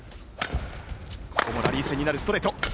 ここもラリー戦になるストレート。